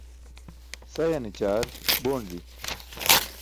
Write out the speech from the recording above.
Sayane ćaar boonzi.